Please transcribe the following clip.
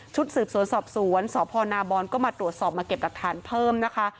สืบสวนสอบสวนสพนาบอลก็มาตรวจสอบมาเก็บหลักฐานเพิ่มนะคะ